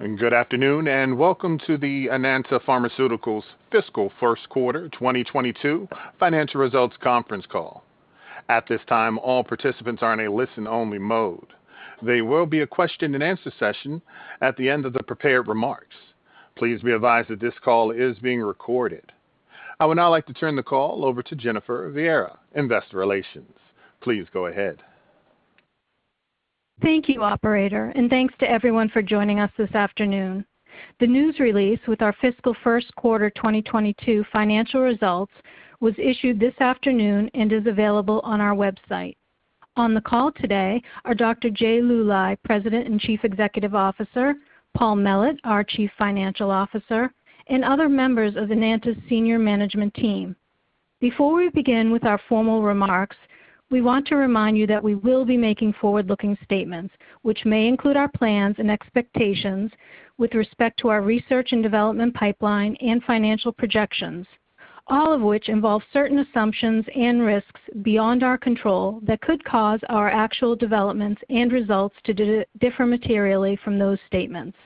Good afternoon, and welcome to the Enanta Pharmaceuticals Fiscal First Quarter 2022 Financial Results Conference Call. At this time, all participants are in a listen-only mode. There will be a question-and-answer session at the end of the prepared remarks. Please be advised that this call is being recorded. I would now like to turn the call over to Jennifer Viera, investor relations. Please go ahead. Thank you, operator, and thanks to everyone for joining us this afternoon. The news release with our fiscal first quarter 2022 financial results was issued this afternoon and is available on our website. On the call today are Dr. Jay R. Luly, President and Chief Executive Officer, Paul Mellett, our Chief Financial Officer, and other members of Enanta's senior management team. Before we begin with our formal remarks, we want to remind you that we will be making forward-looking statements, which may include our plans and expectations with respect to our research and development pipeline and financial projections, all of which involve certain assumptions and risks beyond our control that could cause our actual developments and results to differ materially from those statements.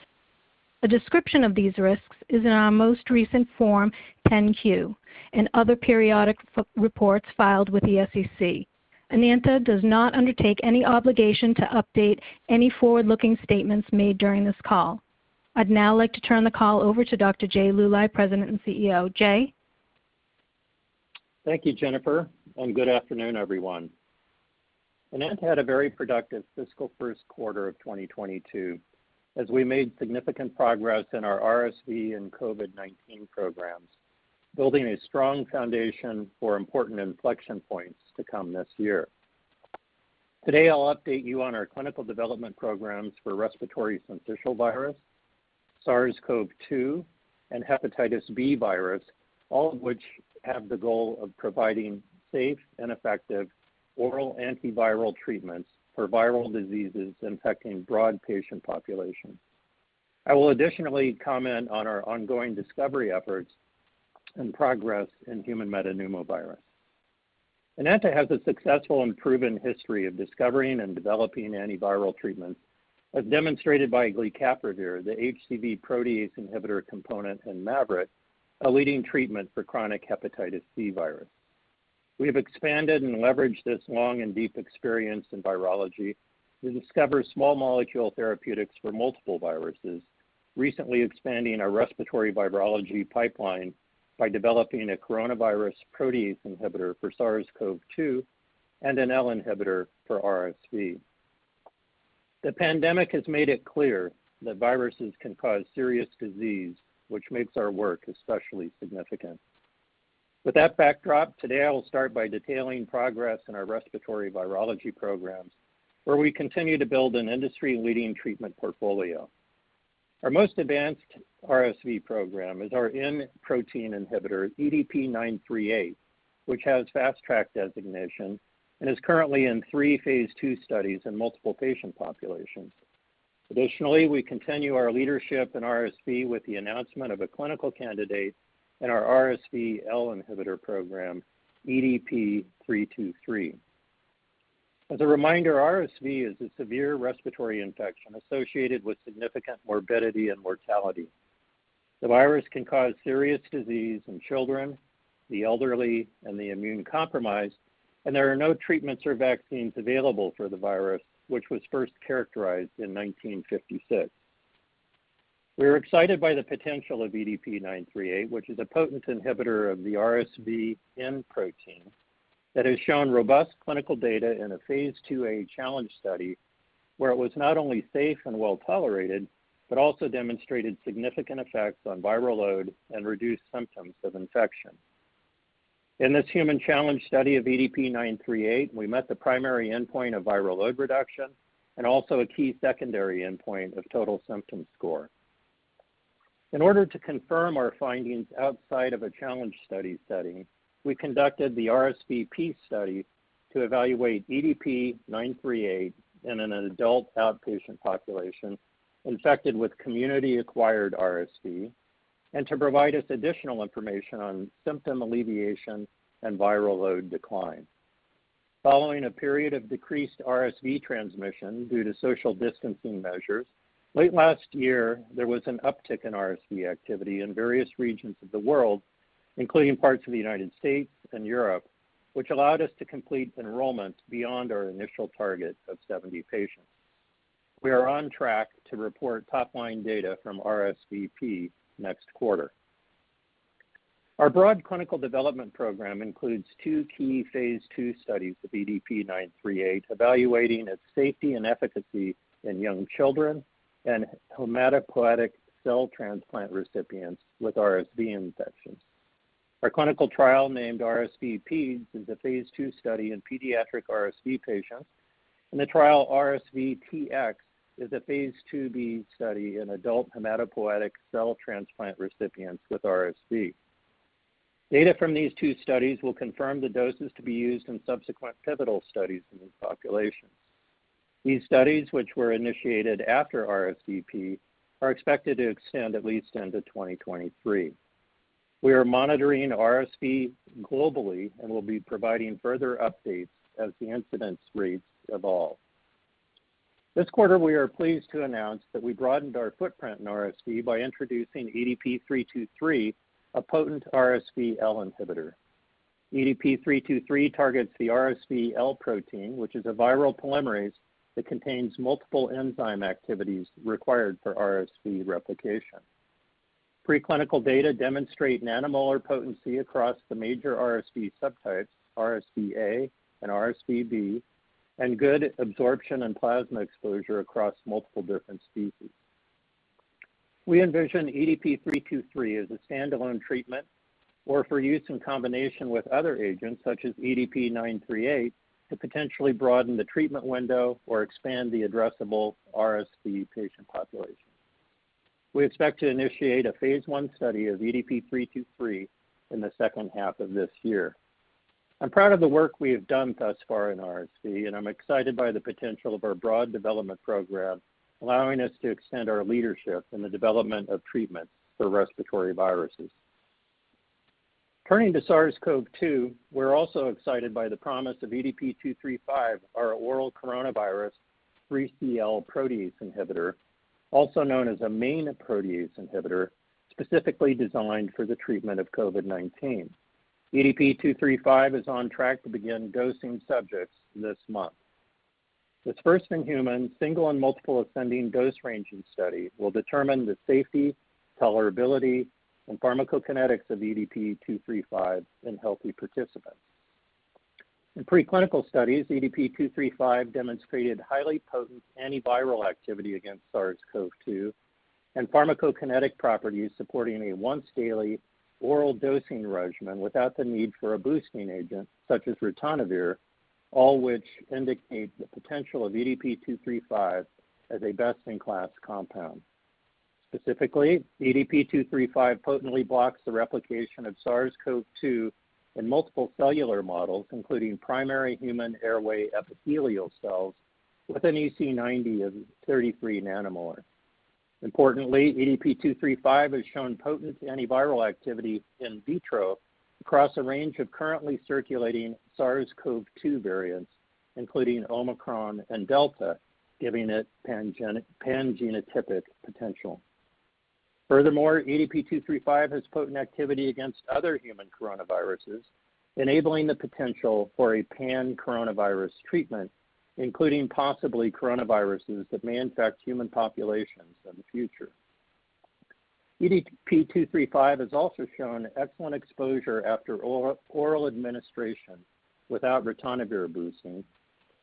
A description of these risks is in our most recent Form 10-Q and other periodic reports filed with the SEC. Enanta does not undertake any obligation to update any forward-looking statements made during this call. I'd now like to turn the call over to Dr. Jay R. Luly, President and CEO. Jay. Thank you, Jennifer, and good afternoon, everyone. Enanta had a very productive fiscal first quarter of 2022 as we made significant progress in our RSV and COVID-19 programs, building a strong foundation for important inflection points to come this year. Today, I'll update you on our clinical development programs for respiratory syncytial virus, SARS-CoV-2, and hepatitis B virus, all of which have the goal of providing safe and effective oral antiviral treatments for viral diseases infecting broad patient populations. I will additionally comment on our ongoing discovery efforts and progress in human metapneumovirus. Enanta has a successful and proven history of discovering and developing antiviral treatments, as demonstrated by glecaprevir, the HCV protease inhibitor component in MAVYRET, a leading treatment for chronic hepatitis C virus. We have expanded and leveraged this long and deep experience in virology to discover small molecule therapeutics for multiple viruses, recently expanding our respiratory virology pipeline by developing a coronavirus protease inhibitor for SARS-CoV-2 and an L inhibitor for RSV. The pandemic has made it clear that viruses can cause serious disease, which makes our work especially significant. With that backdrop, today I will start by detailing progress in our respiratory virology programs, where we continue to build an industry-leading treatment portfolio. Our most advanced RSV program is our N protein inhibitor EDP-938, which has Fast Track designation and is currently in three phase II studies in multiple patient populations. Additionally, we continue our leadership in RSV with the announcement of a clinical candidate in our RSV-L inhibitor program, EDP-323. As a reminder, RSV is a severe respiratory infection associated with significant morbidity and mortality. The virus can cause serious disease in children, the elderly, and the immune compromised, and there are no treatments or vaccines available for the virus, which was first characterized in 1956. We are excited by the potential of EDP-938, which is a potent inhibitor of the RSV N protein that has shown robust clinical data in a phase II A challenge study where it was not only safe and well-tolerated, but also demonstrated significant effects on viral load and reduced symptoms of infection. In this human challenge study of EDP-938, we met the primary endpoint of viral load reduction and also a key secondary endpoint of total symptom score. In order to confirm our findings outside of a challenge study setting, we conducted the RSVP study to evaluate EDP-938 in an adult outpatient population infected with community-acquired RSV and to provide us additional information on symptom alleviation and viral load decline. Following a period of decreased RSV transmission due to social distancing measures, late last year there was an uptick in RSV activity in various regions of the world, including parts of the United States and Europe, which allowed us to complete enrollment beyond our initial target of 70 patients. We are on track to report top-line data from RSVP next quarter. Our broad clinical development program includes two key phase II studies with EDP-938, evaluating its safety and efficacy in young children and hematopoietic cell transplant recipients with RSV infections. Our clinical trial, named RSV-Peds, is a phase II study in pediatric RSV patients, and the trial RSV-TX is a phase IIb study in adult hematopoietic cell transplant recipients with RSV. Data from these two studies will confirm the doses to be used in subsequent pivotal studies in these populations. These studies, which were initiated after RSV-Peds, are expected to extend at least into 2023. We are monitoring RSV globally and will be providing further updates as the incidence rates evolve. This quarter, we are pleased to announce that we broadened our footprint in RSV by introducing EDP-323, a potent RSV L inhibitor. EDP-323 targets the RSV L protein, which is a viral polymerase that contains multiple enzyme activities required for RSV replication. Preclinical data demonstrate nanomolar potency across the major RSV subtypes, RSV-A and RSV-B, and good absorption and plasma exposure across multiple different species. We envision EDP-323 as a standalone treatment or for use in combination with other agents such as EDP-938 to potentially broaden the treatment window or expand the addressable RSV patient population. We expect to initiate a phase I study of EDP-323 in the second half of this year. I'm proud of the work we have done thus far in RSV, and I'm excited by the potential of our broad development program, allowing us to extend our leadership in the development of treatments for respiratory viruses. Turning to SARS-CoV-2, we're also excited by the promise of EDP-235, our oral coronavirus 3CL protease inhibitor, also known as a main protease inhibitor, specifically designed for the treatment of COVID-19. EDP-235 is on track to begin dosing subjects this month. This first-in-human single and multiple ascending dose ranging study will determine the safety, tolerability, and pharmacokinetics of EDP-235 in healthy participants. In preclinical studies, EDP-235 demonstrated highly potent antiviral activity against SARS-CoV-2 and pharmacokinetic properties supporting a once-daily oral dosing regimen without the need for a boosting agent, such as ritonavir, all which indicate the potential of EDP-235 as a best-in-class compound. Specifically, EDP-235 potently blocks the replication of SARS-CoV-2 in multiple cellular models, including primary human airway epithelial cells with an EC90 of 33 nanomolar. Importantly, EDP-235 has shown potent antiviral activity in vitro across a range of currently circulating SARS-CoV-2 variants, including Omicron and Delta, giving it pangenotypic potential. Furthermore, EDP-235 has potent activity against other human coronaviruses, enabling the potential for a pan-coronavirus treatment, including possibly coronaviruses that may infect human populations in the future. EDP-235 has also shown excellent exposure after oral administration without ritonavir boosting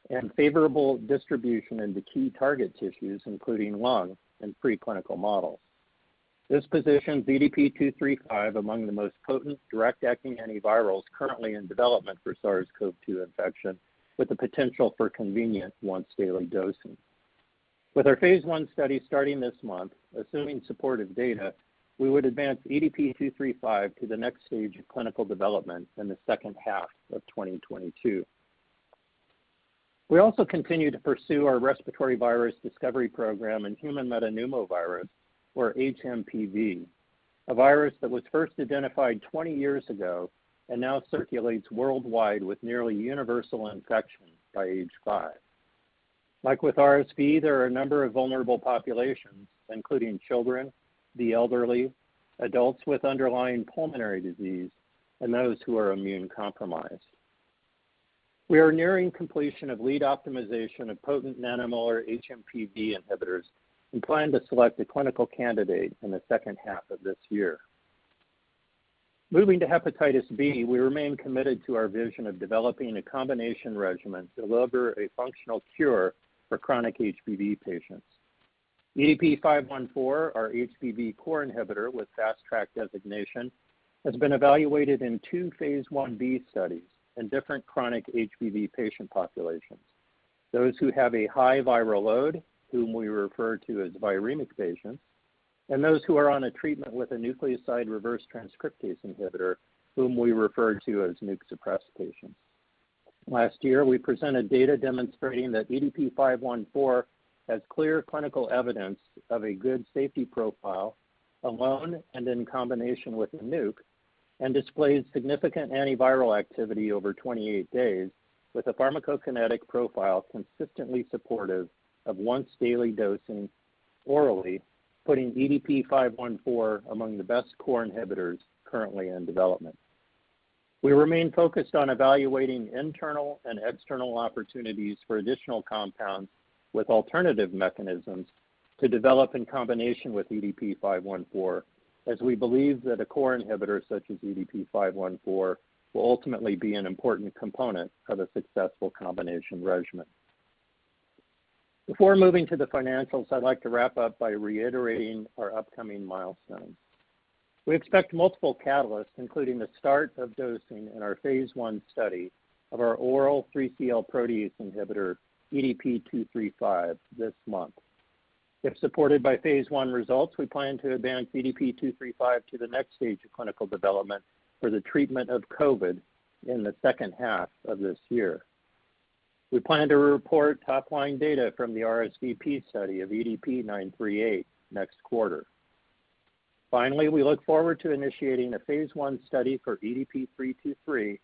and favorable distribution into key target tissues, including lung and preclinical models. This positions EDP-235 among the most potent direct-acting antivirals currently in development for SARS-CoV-2 infection, with the potential for convenient once-daily dosing. With our phase I study starting this month, assuming supportive data, we would advance EDP-235 to the next stage of clinical development in the second half of 2022. We also continue to pursue our respiratory virus discovery program in human metapneumovirus, or HMPV, a virus that was first identified 20 years ago and now circulates worldwide with nearly universal infection by age five. Like with RSV, there are a number of vulnerable populations, including children, the elderly, adults with underlying pulmonary disease, and those who are immune-compromised. We are nearing completion of lead optimization of potent nanomolar HMPV inhibitors and plan to select a clinical candidate in the second half of this year. Moving to hepatitis B, we remain committed to our vision of developing a combination regimen to deliver a functional cure for chronic HBV patients. EDP-514, our HBV core inhibitor with Fast Track designation, has been evaluated in two phase Ib studies in different chronic HBV patient populations, those who have a high viral load, whom we refer to as viremic patients, and those who are on a treatment with a nucleoside reverse transcriptase inhibitor, whom we refer to as NUC-suppressed patients. Last year, we presented data demonstrating that EDP-514 has clear clinical evidence of a good safety profile alone and in combination with a NUC and displays significant antiviral activity over 28 days with a pharmacokinetic profile consistently supportive of once-daily dosing orally, putting EDP-514 among the best core inhibitors currently in development. We remain focused on evaluating internal and external opportunities for additional compounds with alternative mechanisms to develop in combination with EDP-514, as we believe that a core inhibitor such as EDP-514 will ultimately be an important component of a successful combination regimen. Before moving to the financials, I'd like to wrap up by reiterating our upcoming milestones. We expect multiple catalysts, including the start of dosing in our phase I study of our oral 3CL protease inhibitor, EDP-235, this month. If supported by phase I results, we plan to advance EDP-235 to the next stage of clinical development for the treatment of COVID in the second half of this year. We plan to report top line data from the RSVP study of EDP-938 next quarter. Finally, we look forward to initiating a phase I study for EDP-323,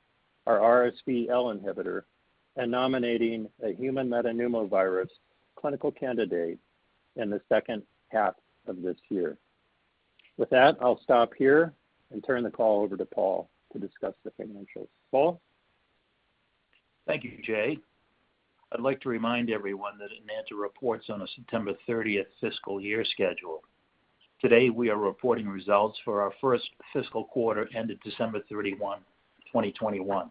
our RSV L inhibitor, and nominating a human metapneumovirus clinical candidate in the second half of this year. With that, I'll stop here and turn the call over to Paul to discuss the financials. Paul? Thank you, Jay. I'd like to remind everyone that Enanta reports on a September 30 fiscal year schedule. Today, we are reporting results for our first fiscal quarter ended December 31, 2021.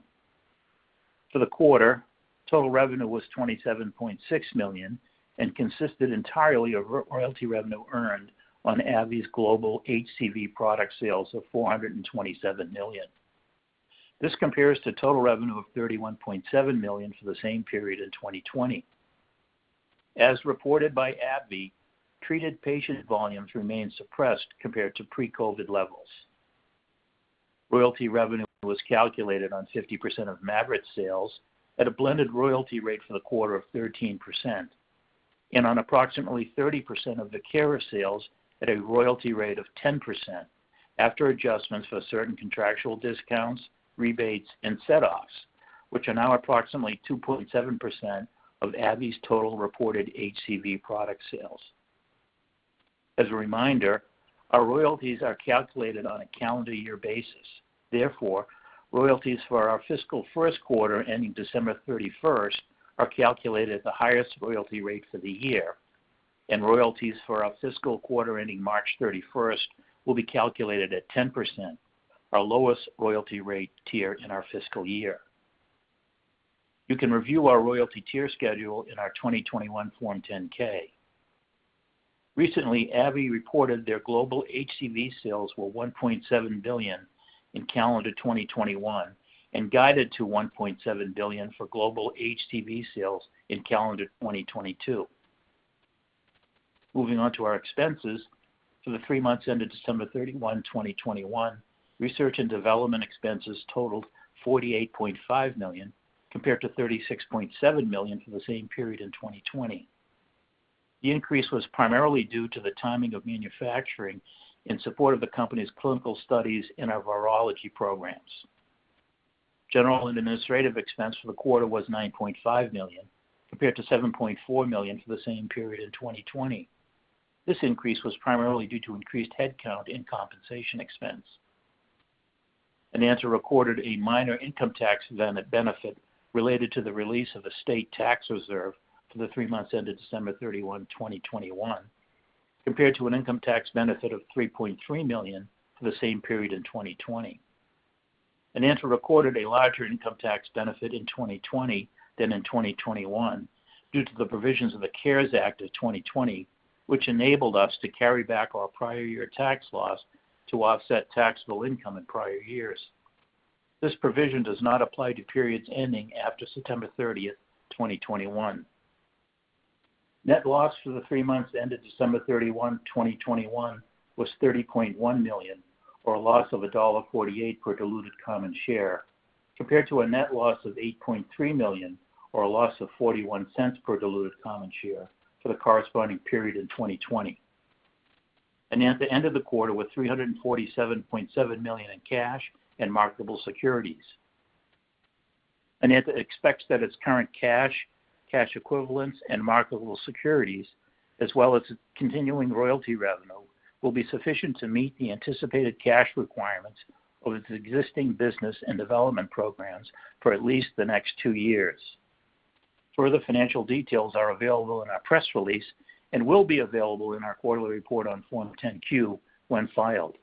For the quarter, total revenue was $27.6 million and consisted entirely of royalty revenue earned on AbbVie's global HCV product sales of $427 million. This compares to total revenue of $31.7 million for the same period in 2020. As reported by AbbVie, treated patient volumes remain suppressed compared to pre-COVID levels. Royalty revenue was calculated on 50% of MAVYRET sales at a blended royalty rate for the quarter of 13% and on approximately 30% of the Viekira sales at a royalty rate of 10% after adjustments for certain contractual discounts, rebates, and setoffs, which are now approximately 2.7% of AbbVie's total reported HCV product sales. As a reminder, our royalties are calculated on a calendar year basis. Therefore, royalties for our fiscal first quarter, ending December 31, are calculated at the highest royalty rate for the year, and royalties for our fiscal quarter ending March 31 will be calculated at 10%, our lowest royalty rate tier in our fiscal year. You can review our royalty tier schedule in our 2021 Form 10-K. Recently, AbbVie reported their global HCV sales were $1.7 billion in calendar 2021 and guided to $1.7 billion for global HCV sales in calendar 2022. Moving on to our expenses. For the three months ended December 31, 2021, research and development expenses totaled $48.5 million, compared to $36.7 million for the same period in 2020. The increase was primarily due to the timing of manufacturing in support of the company's clinical studies in our virology programs. General and administrative expense for the quarter was $9.5 million, compared to $7.4 million for the same period in 2020. This increase was primarily due to increased headcount in compensation expense. Enanta recorded a minor income tax benefit related to the release of a state tax reserve for the three months ended December 31, 2021, compared to an income tax benefit of $3.3 million for the same period in 2020. Enanta recorded a larger income tax benefit in 2020 than in 2021 due to the provisions of the CARES Act of 2020, which enabled us to carry back our prior year tax loss to offset taxable income in prior years. This provision does not apply to periods ending after September 30, 2021. Net loss for the three months ended December 31, 2021 was $30.1 million, or a loss of $1.48 per diluted common share, compared to a net loss of $8.3 million, or a loss of $0.41 per diluted common share for the corresponding period in 2020. Enanta ended the quarter with $347.7 million in cash and marketable securities. Enanta expects that its current cash, cash equivalents, and marketable securities, as well as its continuing royalty revenue, will be sufficient to meet the anticipated cash requirements of its existing business and development programs for at least the next two years. Further financial details are available in our press release and will be available in our quarterly report on Form 10-Q when filed.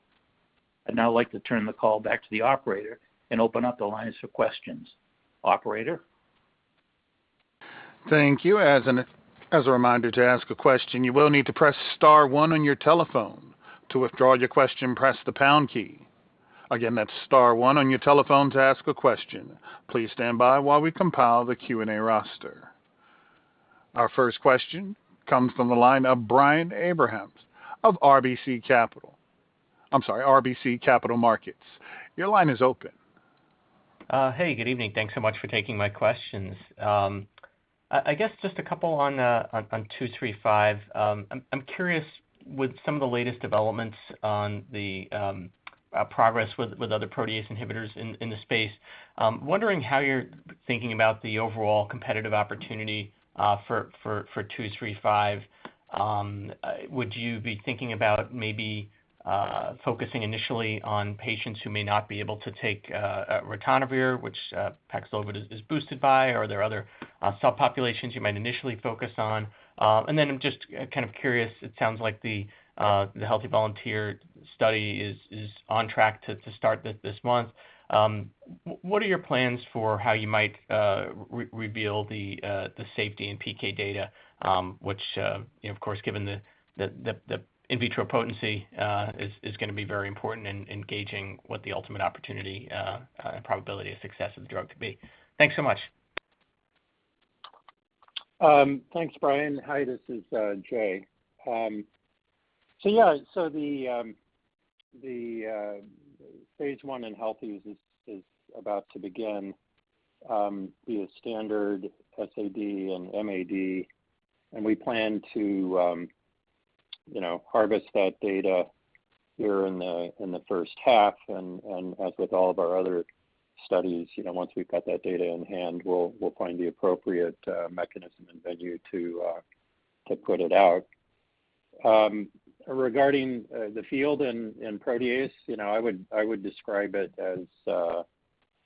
I'd now like to turn the call back to the operator and open up the lines for questions. Operator? Thank you. As a reminder, to ask a question, you will need to press star one on your telephone. To withdraw your question, press the pound key. Again, that's star one on your telephone to ask a question. Please stand by while we compile the Q&A roster. Our first question comes from the line of Brian Abrahams of RBC Capital Markets. Your line is open. Hey, good evening. Thanks so much for taking my questions. I guess just a couple on 235. I'm curious with some of the latest developments on the progress with other protease inhibitors in the space, wondering how you're thinking about the overall competitive opportunity for 235. Would you be thinking about maybe focusing initially on patients who may not be able to take ritonavir, which Paxlovid is boosted by? Are there other subpopulations you might initially focus on? Then I'm just kind of curious, it sounds like the healthy volunteer study is on track to start this month. What are your plans for how you might reveal the safety and PK data, which, you know, of course, given the in vitro potency, is gonna be very important in engaging what the ultimate opportunity and probability of success of the drug could be? Thanks so much. Thanks, Brian. Hi, this is Jay. Yeah. The phase I in healthy is about to begin via standard SAD and MAD, and we plan to harvest that data here in the first half, and as with all of our other studies, you know, once we've got that data in hand, we'll find the appropriate mechanism and venue to put it out. Regarding the field and protease, you know, I would describe it as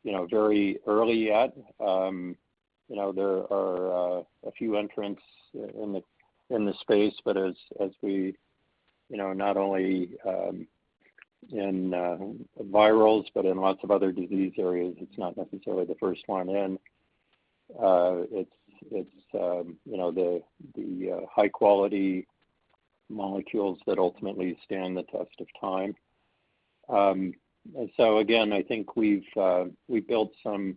very early yet. You know, there are a few entrants in the space, but as we, you know, not only in antivirals, but in lots of other disease areas, it's not necessarily the first one in. It's you know, the high quality molecules that ultimately stand the test of time. So again, I think we've built some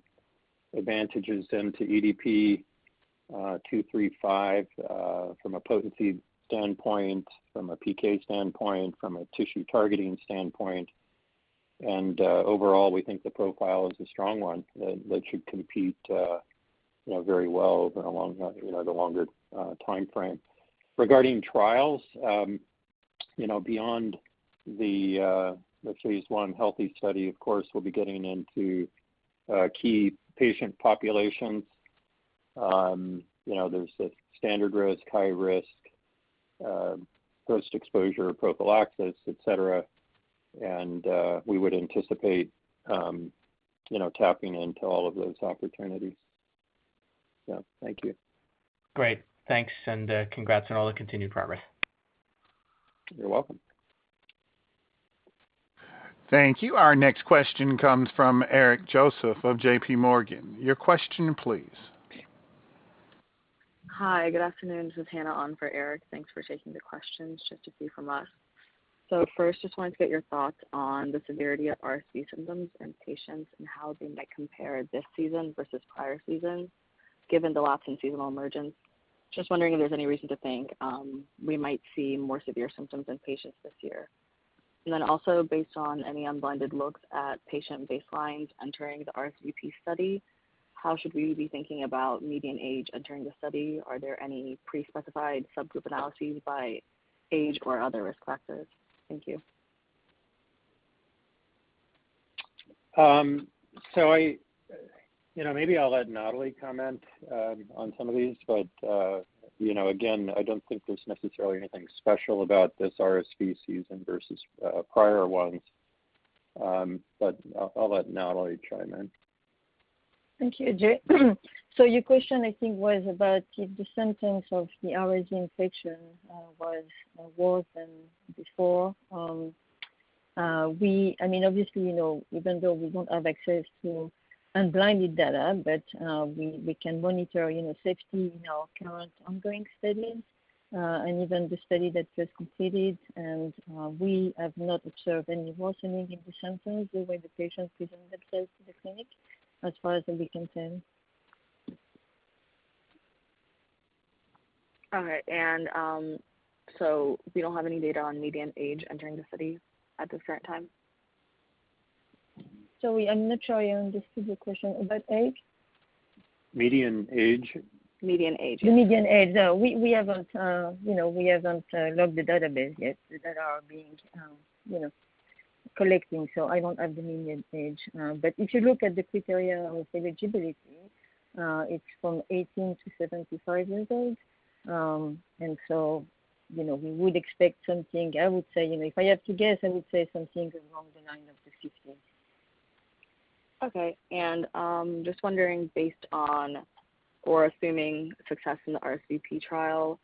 advantages into EDP-235 from a potency standpoint, from a PK standpoint, from a tissue targeting standpoint. Overall, we think the profile is a strong one that should compete you know very well over a long you know the longer timeframe. Regarding trials, you know, beyond the phase I healthy study, of course, we'll be getting into key patient populations. You know, there's the standard risk, high risk, post-exposure prophylaxis, et cetera. We would anticipate you know tapping into all of those opportunities. Yeah. Thank you. Great. Thanks, and, congrats on all the continued progress. You're welcome. Thank you. Our next question comes from Eric Joseph of JPMorgan. Your question, please. Hi. Good afternoon. This is Hannah on for Eric. Thanks for taking the questions. Just a few from us. First, just wanted to get your thoughts on the severity of RSV symptoms in patients and how they might compare this season versus prior seasons, given the loss in seasonal emergence. Just wondering if there's any reason to think we might see more severe symptoms in patients this year. Then also based on any unblinded looks at patient baselines entering the RSVP study, how should we be thinking about median age entering the study? Are there any pre-specified subgroup analyses by age or other risk factors? Thank you. You know, maybe I'll let Nathalie comment on some of these, but you know, again, I don't think there's necessarily anything special about this RSV season versus prior ones. I'll let Nathalie chime in. Thank you, Jay. Your question, I think, was about if the symptoms of the RSV infection was worse than before. I mean, obviously, you know, even though we don't have access to unblinded data, but we can monitor, you know, safety in our current ongoing study and even the study that just completed. We have not observed any worsening in the symptoms the way the patients present themselves to the clinic as far as we can tell. All right. You don't have any data on median age entering the study at this current time? Sorry, I'm not sure I understood your question. About age? Median age. Median age. The median age. No. We haven't, you know, locked the database yet that are being collected, so I don't have the median age. If you look at the criteria of eligibility, it's 18-75 years old. You know, we would expect something, I would say. You know, if I had to guess, I would say something along the lines of 50. Okay. Just wondering based on or assuming success in the RSVP trial,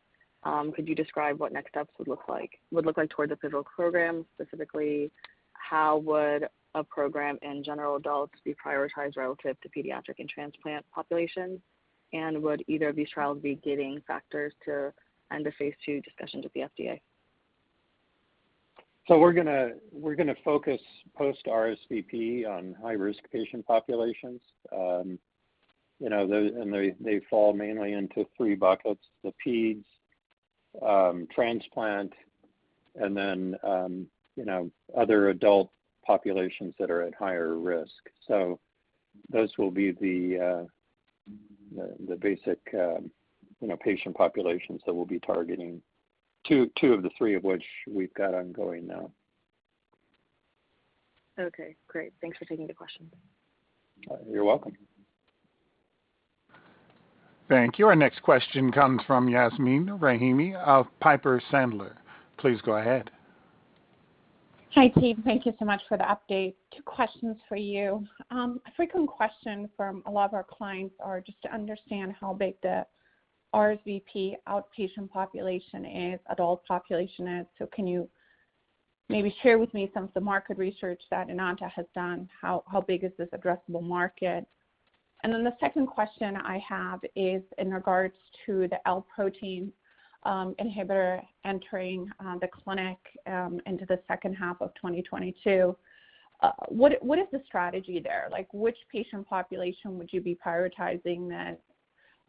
could you describe what next steps would look like toward the pivotal program? Specifically, how would a program in general adults be prioritized relative to pediatric and transplant populations? Would either of these trials be getting Fast Track and end-of-phase II discussions with the FDA? We're gonna focus post RSVP on high-risk patient populations. You know, they fall mainly into three buckets, the peds, transplant, and then you know, other adult populations that are at higher risk. Those will be the basic you know, patient populations that we'll be targeting. Two of the three of which we've got ongoing now. Okay. Great. Thanks for taking the question. You're welcome. Thank you. Our next question comes from Yasmeen Rahimi of Piper Sandler. Please go ahead. Hi, team. Thank you so much for the update. Two questions for you. A frequent question from a lot of our clients are just to understand how big the RSV outpatient population is, adult population is. Can you maybe share with me some of the market research that Enanta has done, how big is this addressable market? Then the second question I have is in regards to the L protein inhibitor entering the clinic into the second half of 2022. What is the strategy there? Like, which patient population would you be prioritizing?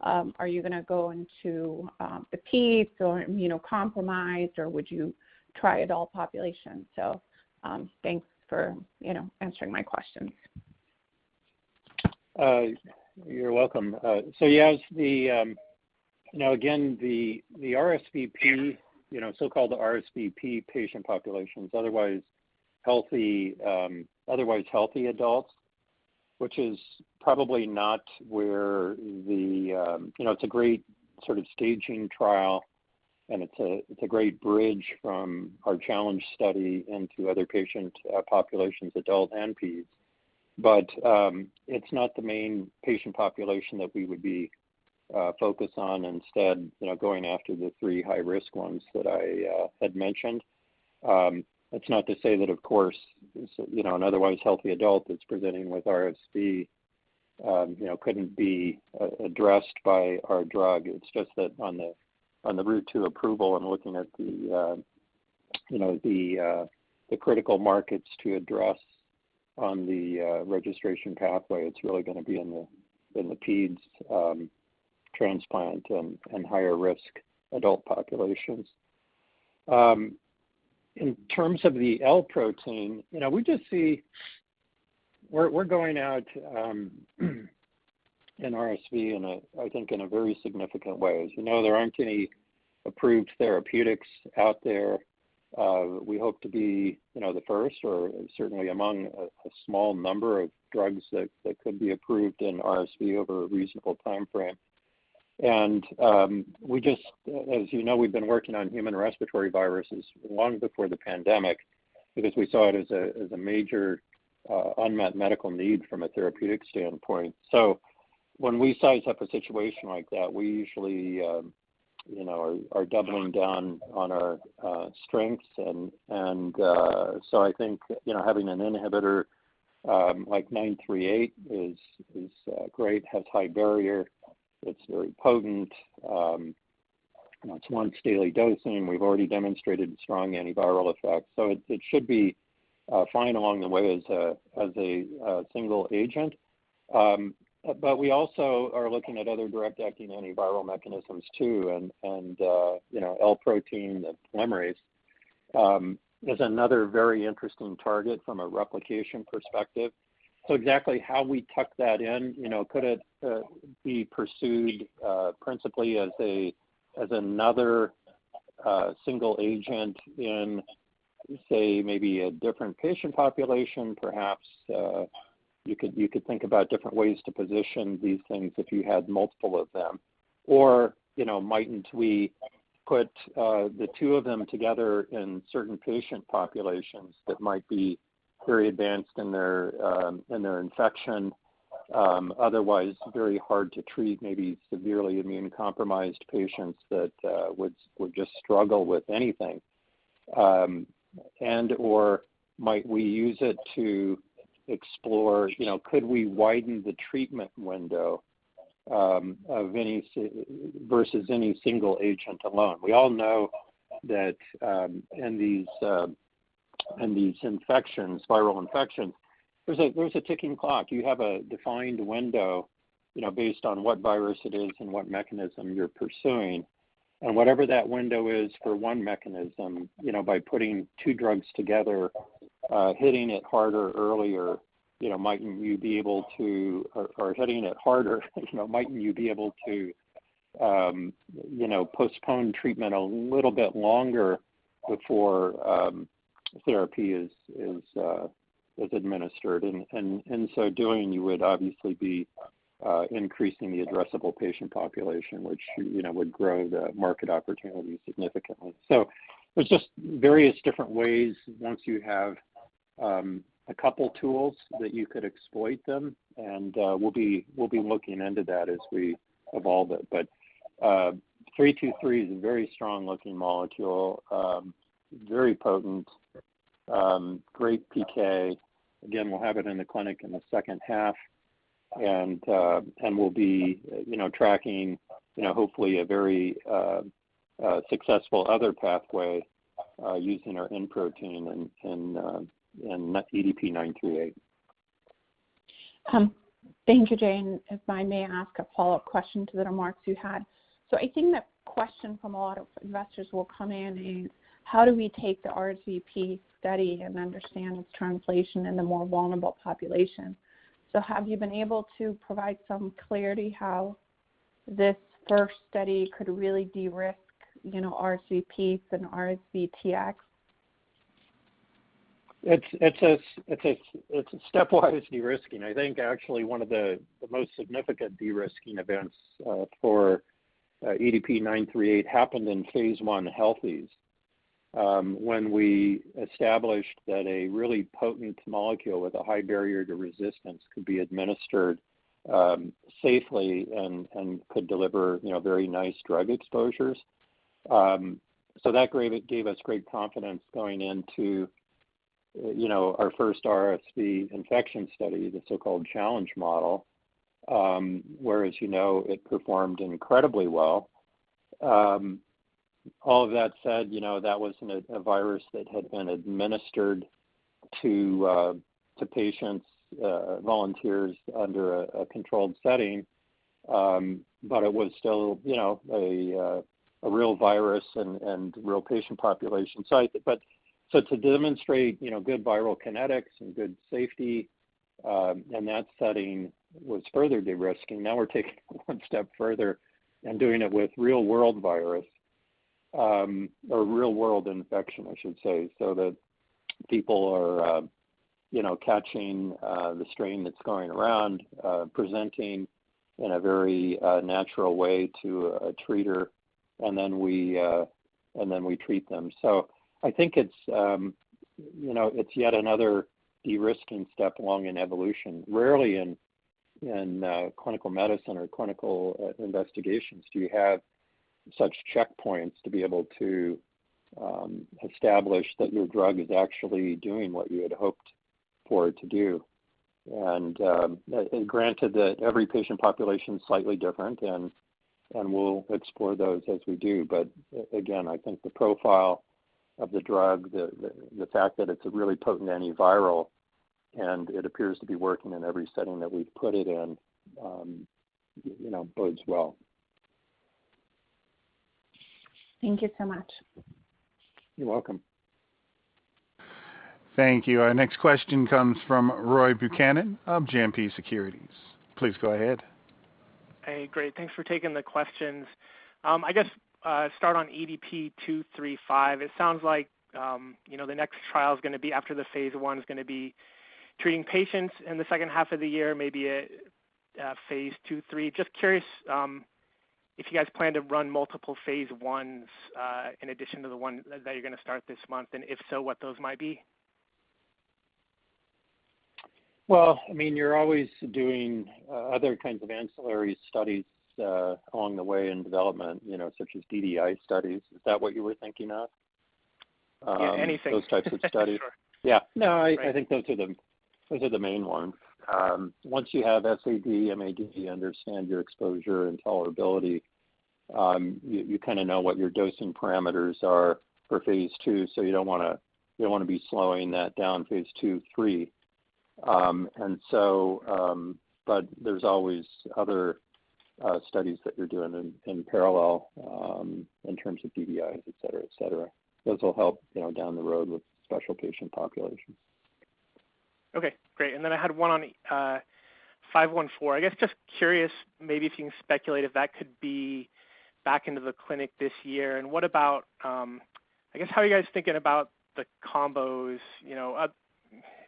Are you gonna go into the peds or immunocompromised, or would you try adult population? Thanks for, you know, answering my questions. You're welcome. So yes, now again, the RSVP, you know, so-called RSVP patient population is otherwise healthy adults, which is probably not where, you know, it's a great sort of staging trial, and it's a great bridge from our challenge study into other patient populations, adult and peds. But it's not the main patient population that we would be focused on. Instead, you know, going after the three high-risk ones that I had mentioned. That's not to say that, of course, you know, an otherwise healthy adult that's presenting with RSV, you know, couldn't be addressed by our drug. It's just that on the route to approval and looking at the, you know, the critical markets to address on the registration pathway, it's really gonna be in the peds, transplant and higher risk adult populations. In terms of the L protein, you know, we're going out in RSV in a very significant way. As you know, there aren't any approved therapeutics out there. We hope to be, you know, the first or certainly among a small number of drugs that could be approved in RSV over a reasonable timeframe. We just, as you know, we've been working on human respiratory viruses long before the pandemic because we saw it as a major unmet medical need from a therapeutic standpoint. When we size up a situation like that, we usually, you know, are doubling down on our strengths and so I think, you know, having an inhibitor like 938 is great, has high barrier. It's very potent. It's once daily dosing. We've already demonstrated strong antiviral effects, so it should be fine along the way as a single agent. We also are looking at other direct-acting antiviral mechanisms too. You know, L protein, the polymerase, is another very interesting target from a replication perspective. Exactly how we tuck that in, you know, could it be pursued principally as another single agent in, say, maybe a different patient population perhaps? You could think about different ways to position these things if you had multiple of them. You know, mightn't we put the two of them together in certain patient populations that might be very advanced in their infection, otherwise very hard to treat, maybe severely immune compromised patients that would just struggle with anything. And/or might we use it to explore, you know, could we widen the treatment window of any single versus any single agent alone? We all know that in these infections, viral infections, there's a ticking clock. You have a defined window, you know, based on what virus it is and what mechanism you're pursuing. Whatever that window is for one mechanism, you know, by putting two drugs together, hitting it harder earlier, you know, mightn't you be able to postpone treatment a little bit longer before therapy is administered? In so doing, you would obviously be increasing the addressable patient population, which, you know, would grow the market opportunity significantly. There's just various different ways once you have a couple tools that you could exploit them, and we'll be looking into that as we evolve it. 323 is a very strong looking molecule. Very potent. Great PK. Again, we'll have it in the clinic in the second half, and we'll be, you know, tracking, you know, hopefully a very successful other pathway using our N protein and EDP-938. Thank you, Jay. If I may ask a follow-up question to the remarks you had. I think the question from a lot of investors will come in on how do we take the RSVPEDs study and understand its translation in the more vulnerable population? Have you been able to provide some clarity on how this first study could really de-risk, you know, RSVPEDs and RSV-TX? It's a stepwise de-risking. I think actually one of the most significant de-risking events for EDP-938 happened in phase I healthy volunteers when we established that a really potent molecule with a high barrier to resistance could be administered safely and could deliver, you know, very nice drug exposures. So that gave us great confidence going into, you know, our first RSV infection study, the so-called Challenge Model, where, as you know, it performed incredibly well. All of that said, you know, that was in a virus that had been administered to patient volunteers under a controlled setting. It was still, you know, a real virus and real patient population size. To demonstrate, you know, good viral kinetics and good safety in that setting was further de-risking. Now we're taking it one step further and doing it with real-world virus, or real-world infection, I should say, so that people are, you know, catching the strain that's going around, presenting in a very natural way to a treater, and then we treat them. So I think it's, you know, it's yet another de-risking step along in evolution. Rarely in clinical medicine or clinical investigations do you have such checkpoints to be able to establish that your drug is actually doing what you had hoped for it to do. And granted that every patient population is slightly different and we'll explore those as we do. Again, I think the profile of the drug, the fact that it's a really potent antiviral and it appears to be working in every setting that we've put it in, you know, bodes well. Thank you so much. You're welcome. Thank you. Our next question comes from Roy Buchanan of JMP Securities. Please go ahead. Hey, great. Thanks for taking the questions. I guess, start on EDP-235. It sounds like the next trial is gonna be after the phase I is gonna be treating patients in the second half of the year, maybe a phase II/III. Just curious, if you guys plan to run multiple phase I's, in addition to the one that you're gonna start this month, and if so, what those might be? Well, I mean, you're always doing other kinds of ancillary studies along the way in development, you know, such as DDI studies. Is that what you were thinking of? Yeah, anything. Those types of studies? Sure. Yeah. No, Great... I think those are the main ones. Once you have SAD and AD, you understand your exposure and tolerability, you kinda know what your dosing parameters are for phase II, so you don't wanna be slowing that down phase II/III. There's always other studies that you're doing in parallel in terms of DDIs, et cetera, et cetera. Those will help, you know, down the road with special patient populations. Okay, great. I had one on EDP-514. I guess, just curious, maybe if you can speculate if that could be back into the clinic this year. What about, I guess, how are you guys thinking about the combos? You know,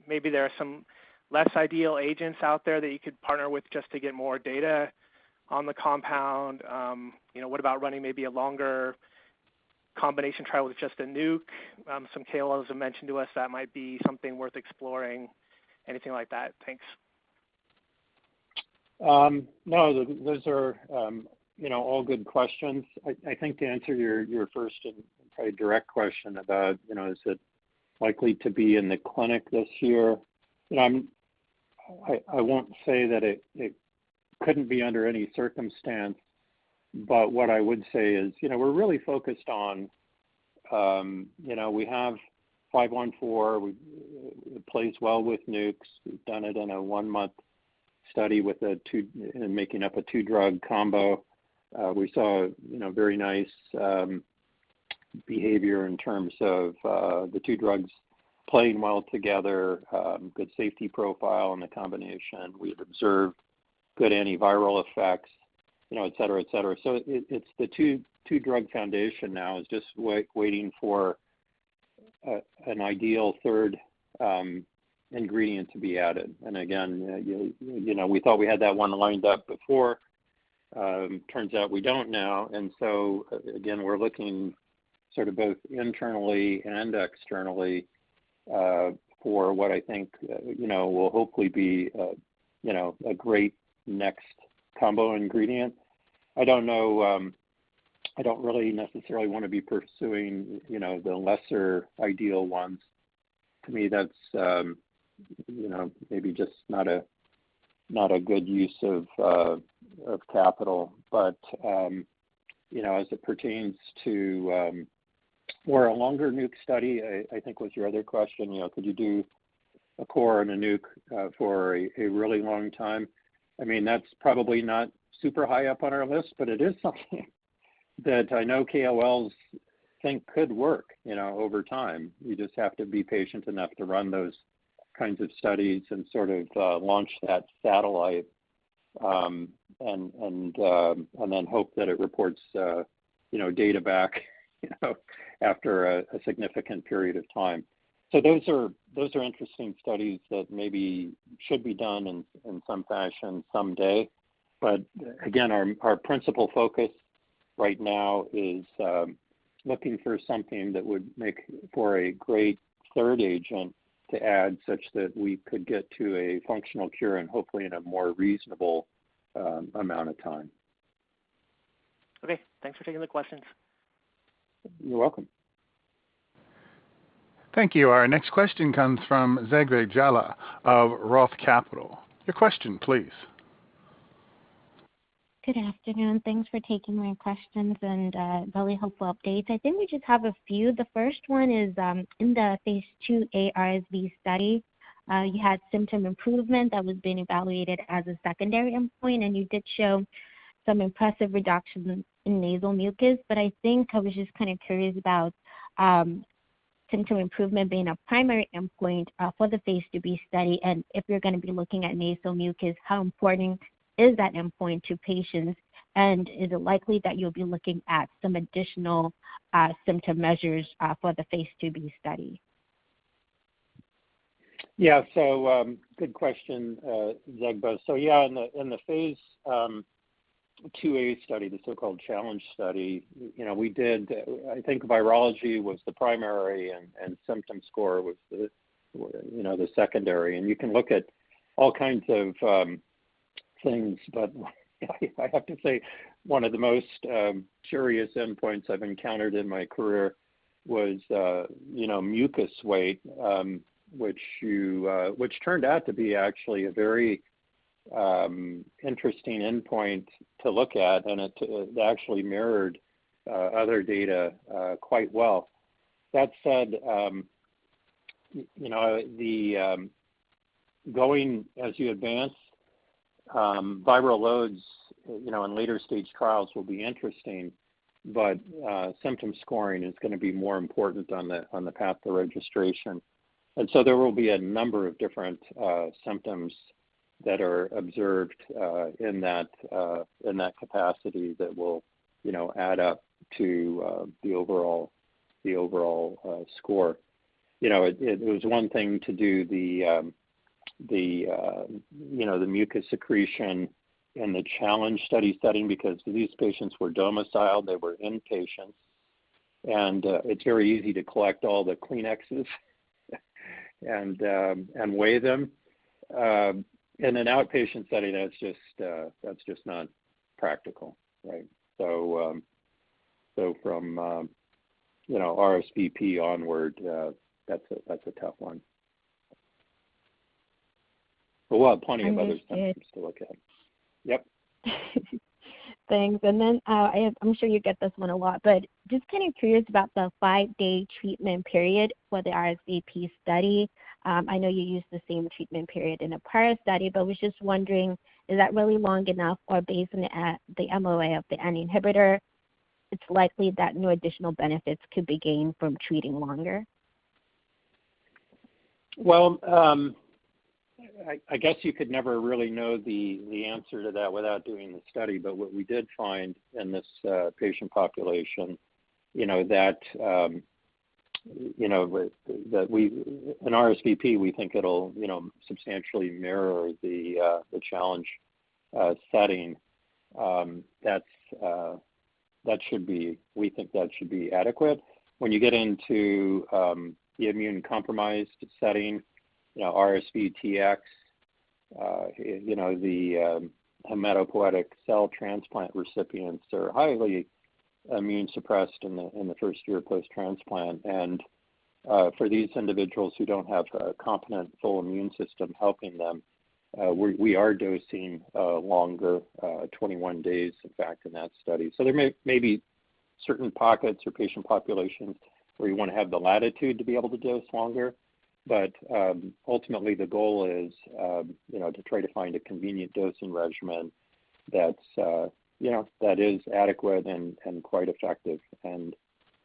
maybe there are some less ideal agents out there that you could partner with just to get more data on the compound. You know, what about running maybe a longer combination trial with just a nuke? Some KOLs have mentioned to us that might be something worth exploring. Anything like that? Thanks. No, those are, you know, all good questions. I think to answer your first and probably direct question about, you know, is it likely to be in the clinic this year? I won't say that it couldn't be under any circumstance. But what I would say is, you know, we're really focused on, you know, we have EDP-514. It plays well with NUCS. We've done it in a one-month study making up a two-drug combo. We saw, you know, very nice behavior in terms of the two drugs playing well together, good safety profile in the combination. We've observed good antiviral effects, you know, et cetera, et cetera. It's the two-drug foundation now. It's just waiting for an ideal third ingredient to be added. Again, you know, we thought we had that one lined up before. Turns out we don't now. Again, we're looking sort of both internally and externally for what I think, you know, will hopefully be, you know, a great next combo ingredient. I don't know, I don't really necessarily wanna be pursuing, you know, the lesser ideal ones. To me, that's, you know, maybe just not a good use of capital. You know, as it pertains to for a longer nuc study, I think was your other question, you know, could you do a core and a nuc for a really long time? I mean, that's probably not super high up on our list, but it is something that I know KOLs think could work, you know, over time. You just have to be patient enough to run those kinds of studies and sort of launch that satellite, and then hope that it reports, you know, data back, you know, after a significant period of time. Those are interesting studies that maybe should be done in some fashion someday. Again, our principal focus right now is looking for something that would make for a great third agent to add such that we could get to a functional cure and hopefully in a more reasonable amount of time. Okay, thanks for taking the questions. You're welcome. Thank you. Our next question comes from Zegbeh Jallah of Roth Capital. Your question, please. Good afternoon. Thanks for taking my questions and really helpful updates. I think we just have a few. The first one is in the phase IIa RSV study, you had symptom improvement that was being evaluated as a secondary endpoint, and you did show some impressive reductions in nasal mucus. I think I was just kind of curious about symptom improvement being a primary endpoint for the phase IIb study, and if you're gonna be looking at nasal mucus, how important is that endpoint to patients? Is it likely that you'll be looking at some additional symptom measures for the phase IIb study? Yeah. Good question, Jonathan. Yeah, in the phase IIa study, the so-called Challenge study, you know, we did. I think virology was the primary and symptom score was the, you know, the secondary. You can look at all kinds of things, but I have to say one of the most curious endpoints I've encountered in my career was, you know, mucus weight, which turned out to be actually a very interesting endpoint to look at, and it actually mirrored other data quite well. That said, you know, the going as you advance viral loads, you know, in later stage trials will be interesting, but symptom scoring is gonna be more important on the path to registration. There will be a number of different symptoms that are observed in that capacity that will, you know, add up to the overall score. You know, it was one thing to do the mucus secretion in the Challenge study setting because these patients were domiciled, they were inpatients, and it's very easy to collect all the Kleenexes and weigh them. In an outpatient setting, that's just not practical, right? From you know, RSVP onward, that's a tough one. We'll have plenty of other- Understood. Items to look at. Yep. Thanks. Then, I'm sure you get this one a lot, but just kind of curious about the five-day treatment period for the RSVP study. I know you used the same treatment period in a prior study, but was just wondering, is that really long enough or based on the MOA of the N inhibitor, it's likely that no additional benefits could be gained from treating longer? I guess you could never really know the answer to that without doing the study. What we did find in this patient population in RSVP, we think it'll, you know, substantially mirror the challenge setting. We think that should be adequate. When you get into the immunocompromised setting, RSV-TX, the hematopoietic cell transplant recipients are highly immunosuppressed in the first year post-transplant. For these individuals who don't have a competent full immune system helping them, we are dosing longer, 21 days, in fact, in that study. There may be certain pockets or patient populations where you wanna have the latitude to be able to dose longer. Ultimately, the goal is, you know, to try to find a convenient dosing regimen that's, you know, that is adequate and quite effective.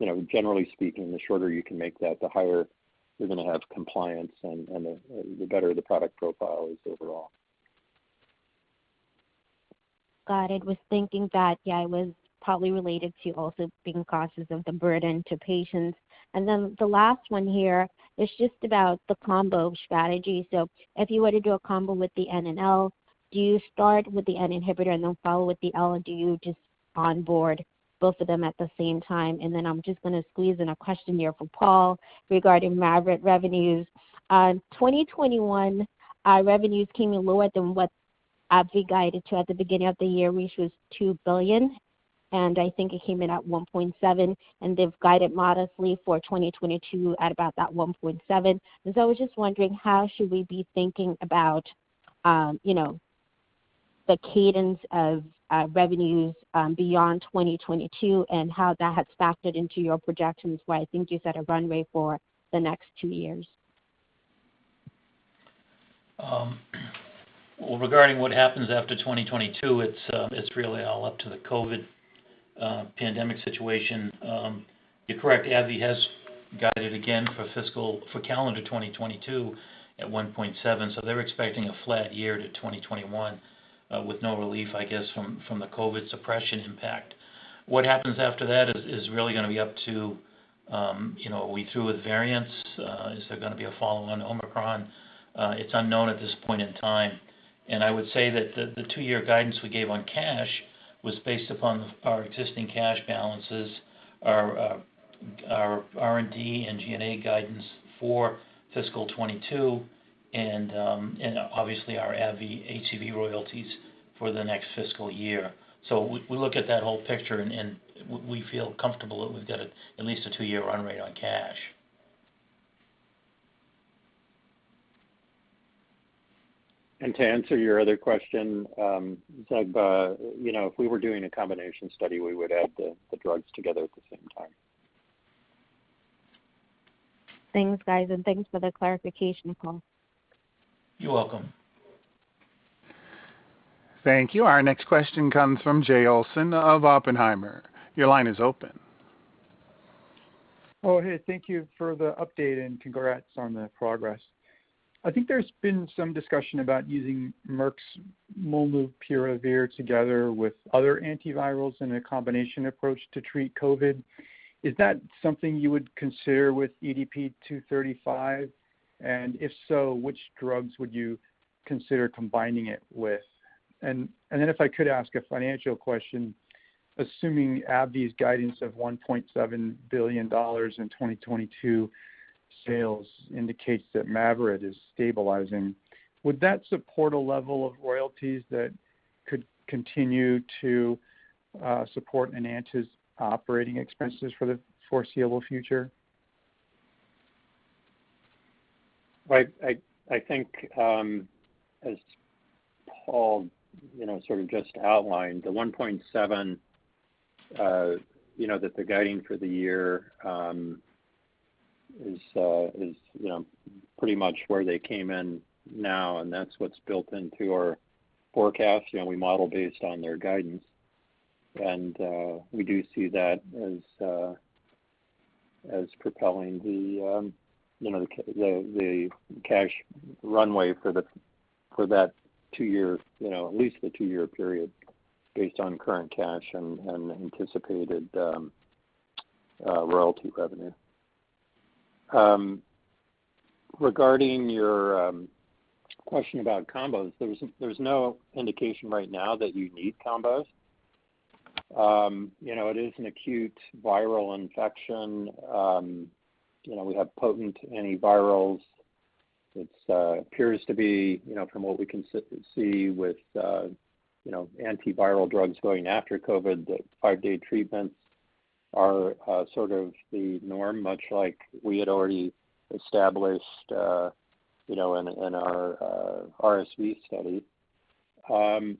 You know, generally speaking, the shorter you can make that, the higher you're gonna have compliance and the better the product profile is overall. Got it. Was thinking that, yeah, it was probably related to also being cautious of the burden to patients. The last one here is just about the combo strategy. If you were to do a combo with the N and L, do you start with the N inhibitor and then follow with the L? Or do you just onboard both of them at the same time? I'm just gonna squeeze in a question here for Paul regarding MAVYRET revenues. In 2021, revenues came in lower than what AbbVie guided to at the beginning of the year, which was $2 billion, and I think it came in at $1.7 billion. They've guided modestly for 2022 at about that $1.7 billion. I was just wondering, how should we be thinking about the cadence of revenues beyond 2022 and how that has factored into your projections where I think you set a runway for the next two years? Well, regarding what happens after 2022, it's really all up to the COVID pandemic situation. You're correct, AbbVie has guided again for calendar 2022 at $1.7 billion, so they're expecting a flat year to 2021, with no relief, I guess, from the COVID suppression impact. What happens after that is really gonna be up to, you know, are we through with variants? Is there gonna be a follow-on Omicron? It's unknown at this point in time. I would say that the two-year guidance we gave on cash was based upon our existing cash balances, our R&D and G&A guidance for fiscal 2022, and obviously our AbbVie HCV royalties for the next fiscal year. We look at that whole picture and we feel comfortable that we've got at least a two-year run rate on cash. To answer your other question, Jallah, you know, if we were doing a combination study, we would add the drugs together at the same time. Thanks, guys, and thanks for the clarification, Paul. You're welcome. Thank you. Our next question comes from Jay Olson of Oppenheimer. Your line is open. Oh, hey, thank you for the update, and congrats on the progress. I think there's been some discussion about using Merck's molnupiravir together with other antivirals in a combination approach to treat COVID. Is that something you would consider with EDP-235? And if so, which drugs would you consider combining it with? And then if I could ask a financial question, assuming AbbVie's guidance of $1.7 billion in 2022 sales indicates that MAVYRET is stabilizing, would that support a level of royalties that could continue to support Enanta's operating expenses for the foreseeable future? Well, I think, as Paul, you know, sort of just outlined, the $1.7 billion, you know, that they're guiding for the year, is, you know, pretty much where they came in now, and that's what's built into our forecast. You know, we model based on their guidance. We do see that as propelling, you know, the cash runway for that two year, you know, at least the two year period based on current cash and anticipated royalty revenue. Regarding your question about combos, there's no indication right now that you need combos. You know, it is an acute viral infection. You know, we have potent antivirals. It appears to be, you know, from what we see with, you know, antiviral drugs going after COVID, that five-day treatments are sort of the norm, much like we had already established, you know, in our RSV study. I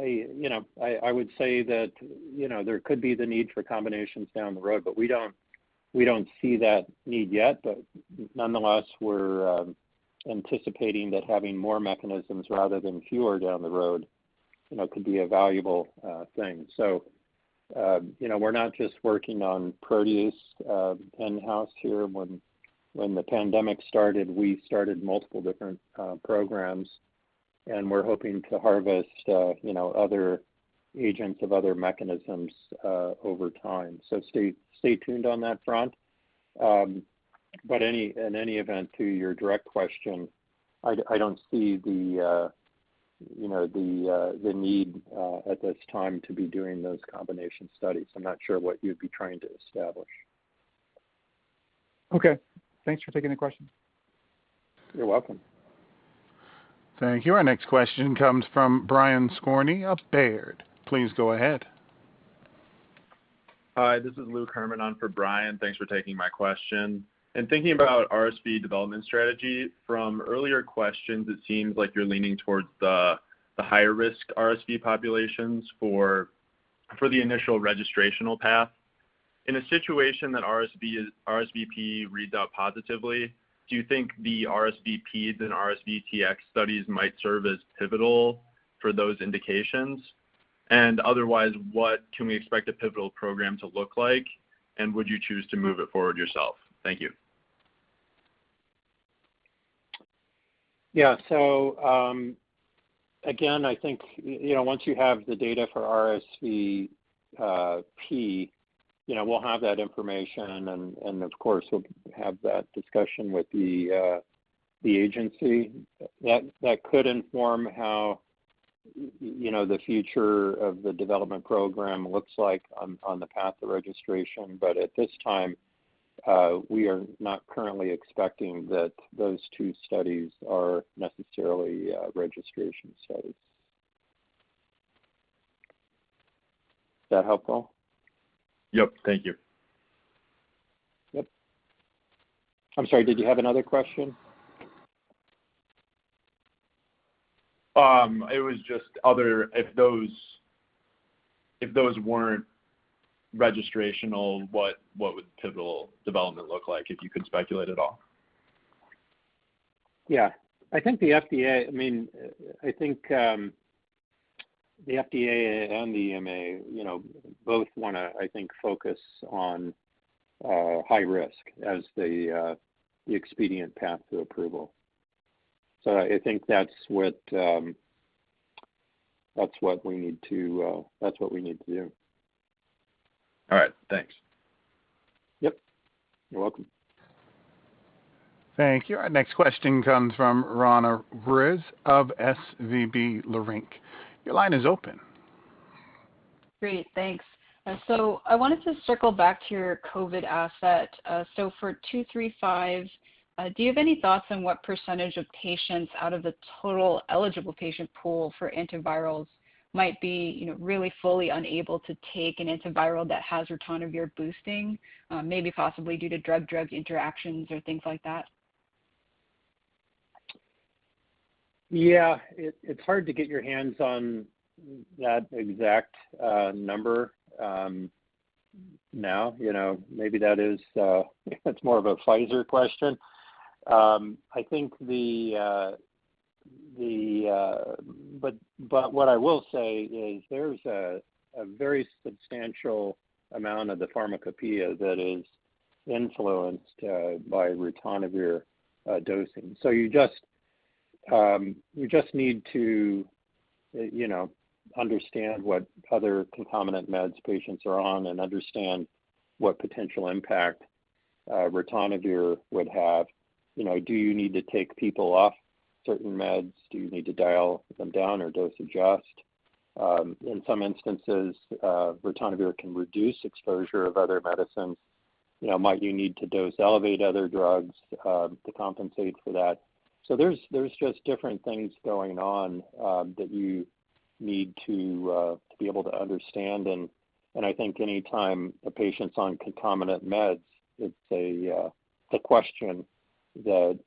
would say that, you know, there could be the need for combinations down the road, but we don't see that need yet. Nonetheless, we're anticipating that having more mechanisms rather than fewer down the road, you know, could be a valuable thing. You know, we're not just working on protease in-house here. When the pandemic started, we started multiple different programs, and we're hoping to harvest, you know, other agents of other mechanisms over time. Stay tuned on that front. Anyway, in any event, to your direct question, I don't see the need, you know, at this time to be doing those combination studies. I'm not sure what you'd be trying to establish. Okay. Thanks for taking the question. You're welcome. Thank you. Our next question comes from Brian Skorney of Baird. Please go ahead. Hi, this is Luke Herrmann on for Brian. Thanks for taking my question. In thinking about RSV development strategy, from earlier questions, it seems like you're leaning towards the higher risk RSV populations for the initial registrational path. In a situation that RSVP reads out positively, do you think the RSVPs and RSV-TX studies might serve as pivotal for those indications? Otherwise, what can we expect a pivotal program to look like, and would you choose to move it forward yourself? Thank you. Yeah. Again, I think, you know, once you have the data for RSVP, you know, we'll have that information and of course, we'll have that discussion with the agency. That could inform how, you know, the future of the development program looks like on the path to registration. But at this time, we are not currently expecting that those two studies are necessarily registration studies. Is that helpful? Yep. Thank you. Yep. I'm sorry, did you have another question? If those weren't registrational, what would pivotal development look like, if you could speculate at all? Yeah. I think the FDA. I mean, I think the FDA and the EMA, you know, both wanna, I think, focus on high risk as the expedient path to approval. I think that's what we need to do. All right. Thanks. Yep. You're welcome. Thank you. Our next question comes from Roanna Ruiz of SVB Leerink. Your line is open. Great. Thanks. I wanted to circle back to your COVID asset. So for EDP-235, do you have any thoughts on what percentage of patients out of the total eligible patient pool for antivirals might be, you know, really fully unable to take an antiviral that has ritonavir boosting, maybe possibly due to drug-drug interactions or things like that? Yeah. It's hard to get your hands on that exact number now. You know, maybe that's more of a Pfizer question. What I will say is there's a very substantial amount of the pharmacopeia that is influenced by ritonavir dosing. You just need to you know understand what other concomitant meds patients are on and understand what potential impact ritonavir would have. You know, do you need to take people off certain meds? Do you need to dial them down or dose adjust? In some instances, ritonavir can reduce exposure of other medicines. You know, might you need to dose elevate other drugs to compensate for that? There's just different things going on that you need to be able to understand. I think any time a patient's on concomitant meds, it's a question that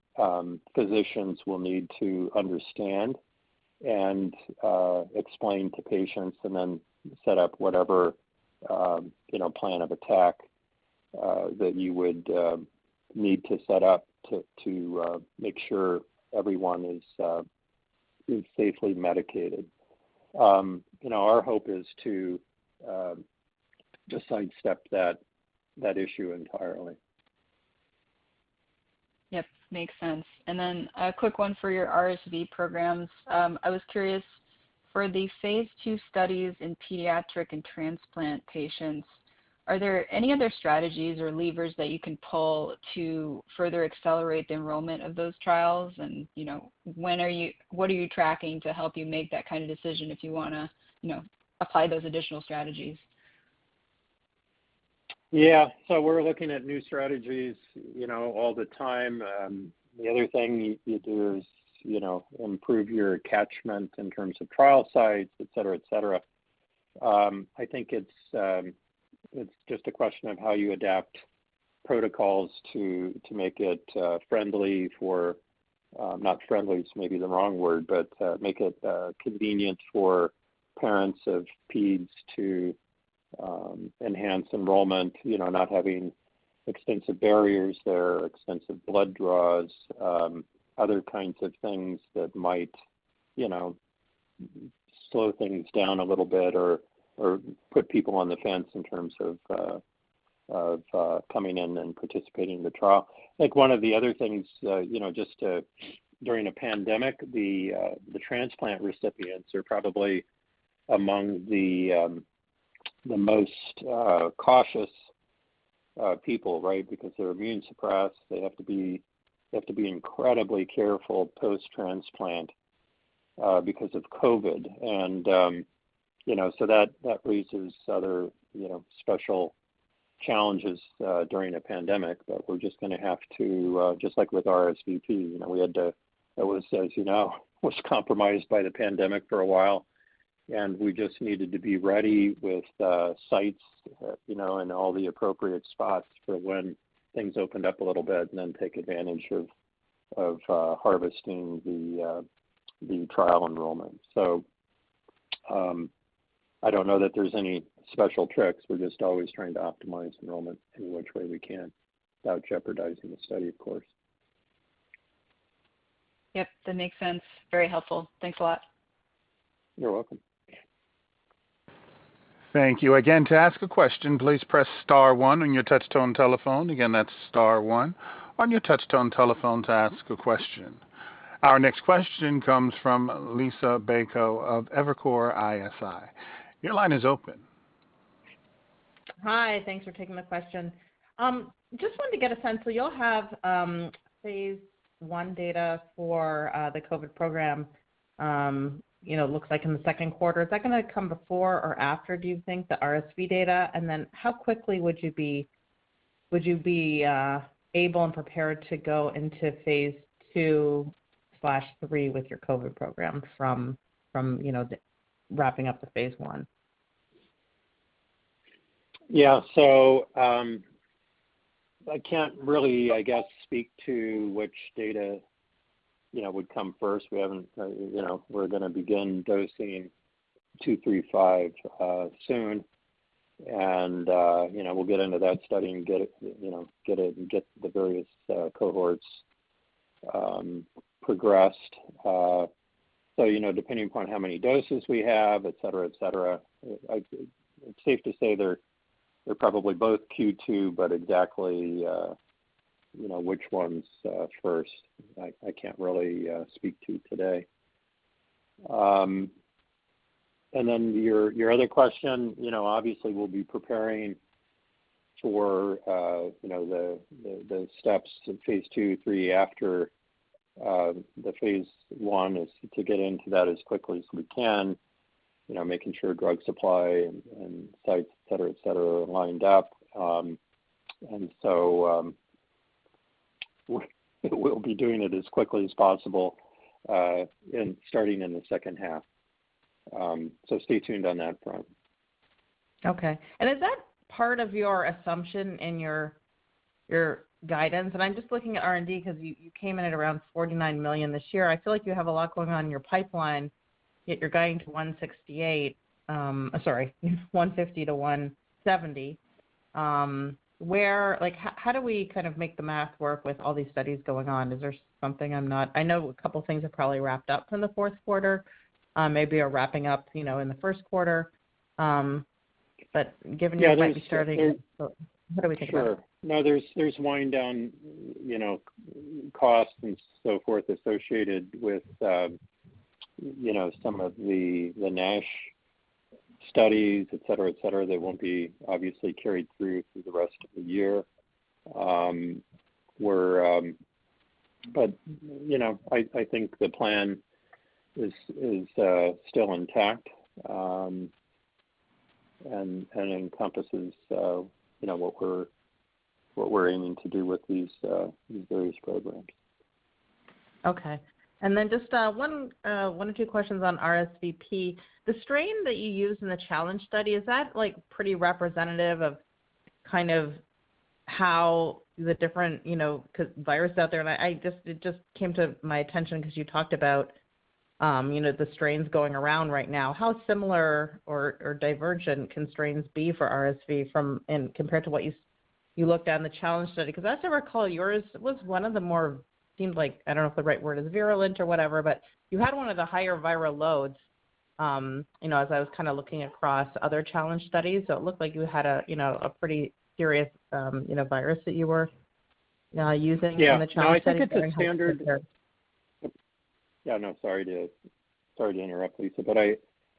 physicians will need to understand and explain to patients, and then set up whatever you know plan of attack that you would need to set up to make sure everyone is safely medicated. You know, our hope is to just sidestep that issue entirely. Yep. Makes sense. A quick one for your RSV programs. I was curious, for the phase II studies in pediatric and transplant patients, are there any other strategies or levers that you can pull to further accelerate the enrollment of those trials? You know, what are you tracking to help you make that kind of decision if you wanna, you know, apply those additional strategies? Yeah. We're looking at new strategies, you know, all the time. The other thing you do is, you know, improve your catchment in terms of trial sites, et cetera, et cetera. I think it's just a question of how you adapt protocols to make it friendly for, not friendly, it's maybe the wrong word, but make it convenient for parents of peds to enhance enrollment. You know, not having extensive barriers there, extensive blood draws, other kinds of things that might, you know, slow things down a little bit or put people on the fence in terms of coming in and participating in the trial. I think one of the other things, you know, just during a pandemic, the transplant recipients are probably among the most cautious people, right? Because they're immune suppressed, they have to be incredibly careful post-transplant because of COVID. You know, so that raises other, you know, special challenges during a pandemic, but we're just gonna have to just like with RSV too, you know, It was, as you know, compromised by the pandemic for a while, and we just needed to be ready with sites, you know, in all the appropriate spots for when things opened up a little bit and then take advantage of harvesting the trial enrollment. I don't know that there's any special tricks. We're just always trying to optimize enrollment in which way we can without jeopardizing the study, of course. Yep. That makes sense. Very helpful. Thanks a lot. You're welcome. Thank you. Again to ask a question please press star one on your touch tone telephone. Again, that's star one on your touch tone telephone to ask a question. Our next question comes from Liisa Bayko of Evercore ISI. Your line is open. Hi. Thanks for taking the question. Just wanted to get a sense. You'll have phase I data for the COVID program, you know, looks like in the second quarter. Is that gonna come before or after, do you think, the RSV data? And then how quickly would you be able and prepared to go into phase II/III with your COVID program from, you know, the wrapping up the phase I? Yeah. I can't really, I guess, speak to which data, you know, would come first. We haven't, you know, we're gonna begin dosing 235 soon. You know, we'll get into that study and get it and get the various cohorts progressed. You know, depending upon how many doses we have, et cetera, it's safe to say they're probably both Q2, but exactly, you know, which one's first, I can't really speak to today. Your other question, you know, obviously we'll be preparing for, you know, the steps in phase II, III after the phase I is to get into that as quickly as we can, you know, making sure drug supply and sites, et cetera, are lined up. We'll be doing it as quickly as possible, and starting in the second half. Stay tuned on that front. Okay. Is that part of your assumption in your guidance? I'm just looking at R&D because you came in at around $49 million this year. I feel like you have a lot going on in your pipeline, yet you're guiding to $150 million-$170 million. Like, how do we kind of make the math work with all these studies going on? Is there something I'm not? I know a couple things are probably wrapped up from the fourth quarter, maybe are wrapping up, you know, in the first quarter? Given you might be starting- Yeah, I think it. What are we thinking? Sure. No, there's wind down, you know, costs and so forth associated with, you know, some of the NASH studies, et cetera, that won't be obviously carried through for the rest of the year. You know, I think the plan is still intact, and encompasses, you know, what we're aiming to do with these various programs. Okay. Then just one of two questions on RSV. The strain that you used in the challenge study, is that, like, pretty representative of kind of how the different, you know, RSV virus out there? It just came to my attention 'cause you talked about, you know, the strains going around right now. How similar or divergent can strains be for RSV compared to what you looked at in the challenge study? 'Cause as I recall, yours was one of the more, seemed like, I don't know if the right word is virulent or whatever, but you had one of the higher viral loads, you know, as I was kinda looking across other challenge studies. It looked like you had a, you know, a pretty serious, you know, virus that you were using in the challenge study to determine how effective your... Sorry to interrupt, Liisa, but I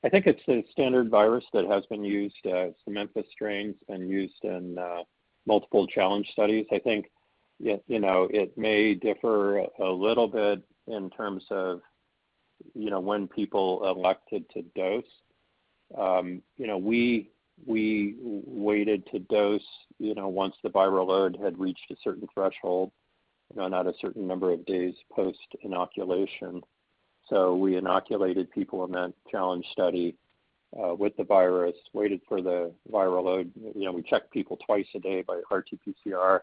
think it's a standard virus that has been used. Some Memphis strains have been used in multiple challenge studies. I think, you know, it may differ a little bit in terms of, you know, when people elected to dose. You know, we waited to dose, you know, once the viral load had reached a certain threshold, you know, and at a certain number of days post-inoculation. We inoculated people in that challenge study with the virus and waited for the viral load. You know, we checked people twice a day by RT-PCR and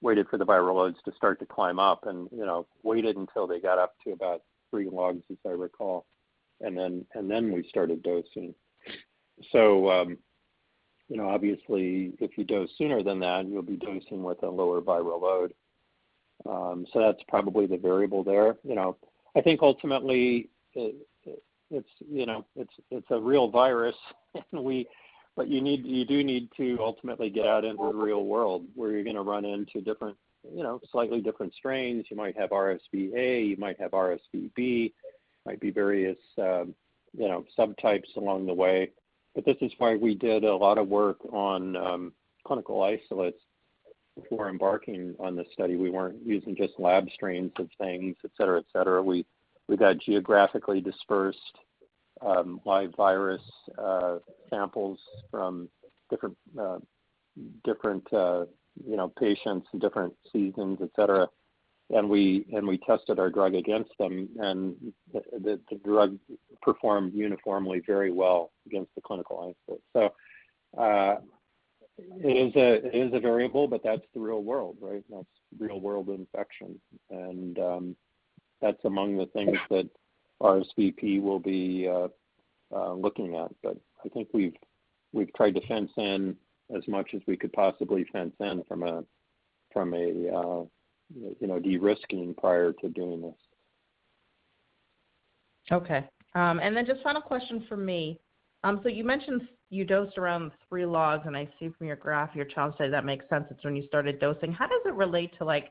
waited for the viral loads to start to climb up. You know, we waited until they got up to about three logs, as I recall, and then we started dosing. You know, obviously, if you dose sooner than that, you'll be dosing with a lower viral load. That's probably the variable there. You know, I think ultimately, it's a real virus. You do need to ultimately get out into the real world where you're gonna run into different, you know, slightly different strains. You might have RSVA, you might have RSVB, might be various, you know, subtypes along the way. This is why we did a lot of work on clinical isolates before embarking on this study. We weren't using just lab strains of things, et cetera, et cetera. We got geographically dispersed, live virus samples from different, you know, patients in different seasons, et cetera. We tested our drug against them, the drug performed uniformly very well against the clinical isolates. It is a variable, but that's the real world, right? That's real world infection. That's among the things that RSVP will be looking at. I think we've tried to fence in as much as we could possibly fence in from a you know de-risking prior to doing this. Okay. Just final question from me. You mentioned you dosed around three logs, and I see from your graph, your trial study that makes sense. It's when you started dosing. How does it relate to, like,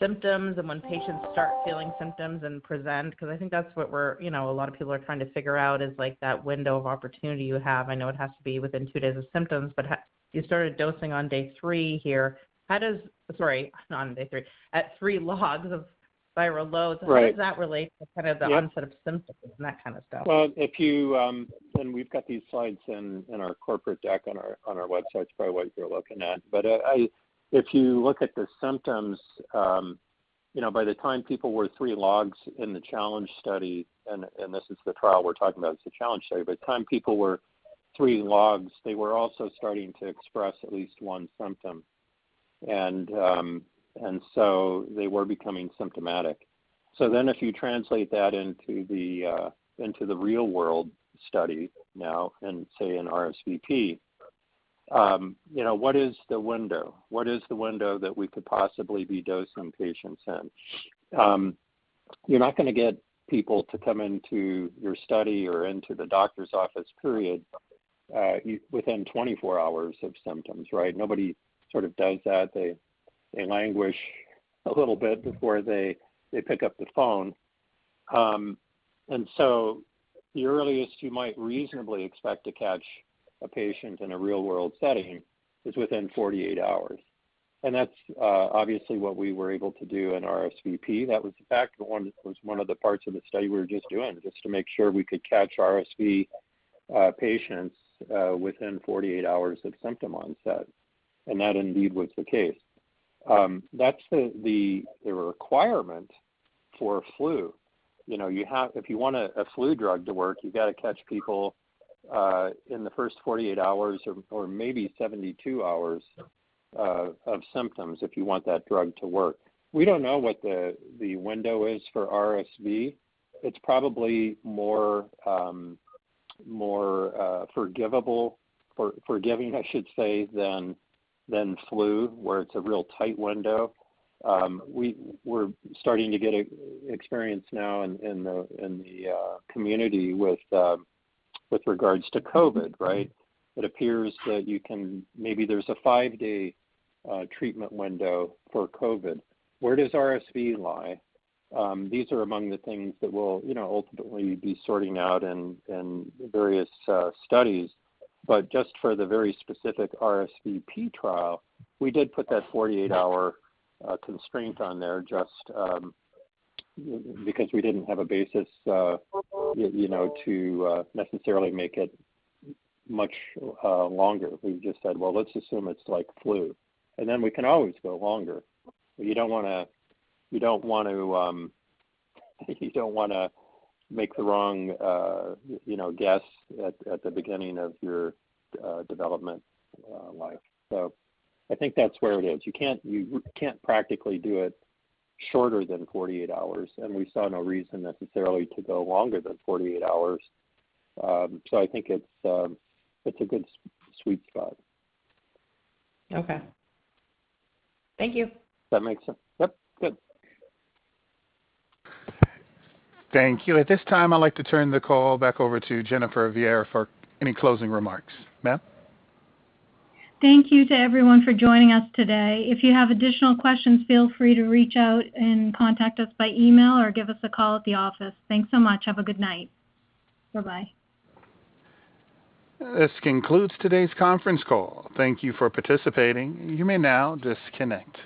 symptoms and when patients start feeling symptoms and present? 'Cause I think that's what we're, you know, a lot of people are trying to figure out is, like, that window of opportunity you have. I know it has to be within two days of symptoms, but you started dosing on day three here. Sorry, not on day three. At three logs of viral loads. Right. How does that relate to kind of the- onset of symptoms and that kind of stuff? We've got these slides in our corporate deck on our website. It's probably what you're looking at. If you look at the symptoms, you know, by the time people were three logs in the challenge study, and this is the trial we're talking about, it's the challenge study. By the time people were three logs, they were also starting to express at least one symptom. They were becoming symptomatic. If you translate that into the real world study now and say in RSVP, you know, what is the window that we could possibly be dosing patients in? You're not gonna get people to come into your study or into the doctor's office, period, within 24 hours of symptoms, right? Nobody sort of does that. They languish a little bit before they pick up the phone. The earliest you might reasonably expect to catch a patient in a real-world setting is within 48 hours. That's obviously what we were able to do in RSVP. That was in fact one of the parts of the study we were just doing, just to make sure we could catch RSV patients within 48 hours of symptom onset. That indeed was the case. That's the requirement for flu. You know, if you want a flu drug to work, you gotta catch people in the first 48 hours or maybe 72 hours of symptoms if you want that drug to work. We don't know what the window is for RSV. It's probably more forgiving, I should say, than flu, where it's a real tight window. We're starting to get experience now in the community with regards to COVID, right? It appears that maybe there's a five day treatment window for COVID. Where does RSV lie? These are among the things that we'll ultimately be sorting out in various studies. But just for the very specific RSVP trial, we did put that 48-hour constraint on there just because we didn't have a basis to necessarily make it much longer. We just said, "Well, let's assume it's like flu." Then we can always go longer. You don't want to make the wrong, you know, guess at the beginning of your development life. I think that's where it is. You can't practically do it shorter than 48 hours, and we saw no reason necessarily to go longer than 48 hours. I think it's a good sweet spot. Okay. Thank you. That makes sense. Yep. Good. Thank you. At this time, I'd like to turn the call back over to Jennifer Viera for any closing remarks. Ma'am? Thank you to everyone for joining us today. If you have additional questions, feel free to reach out and contact us by email or give us a call at the office. Thanks so much. Have a good night. Bye-bye. This concludes today's conference call. Thank you for participating. You may now disconnect.